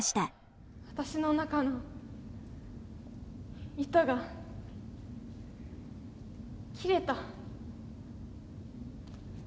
私の中の糸が切れた。